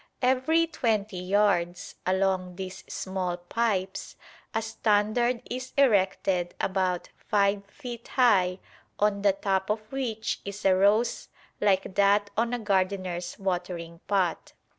Every twenty yards along these small pipes a standard is erected about five feet high, on the top of which is a rose like that on a gardener's watering pot.